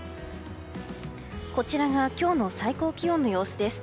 こちらが今日の最高気温の様子です。